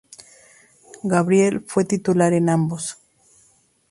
Gabriel fue titular en ambos.